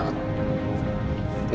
jawabu kamu si set